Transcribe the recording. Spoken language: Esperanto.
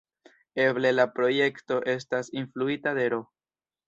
Eble la projekto estas influita de Ro.